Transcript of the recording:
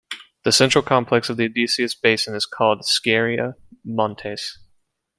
The central complex of the Odysseus basin is called Scheria Montes.